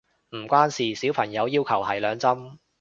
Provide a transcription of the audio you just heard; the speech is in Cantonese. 唔關事，小朋友要求係兩針